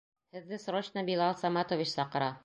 Һеҙҙе срочно Билал Саматович саҡыра.